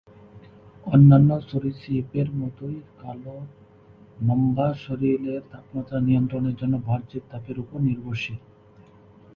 অন্যান্য সরীসৃপের মতোই কালো মাম্বা শরীরের তাপমাত্রা নিয়ন্ত্রণের জন্য বাহ্যিক তাপের ওপর নির্ভরশীল।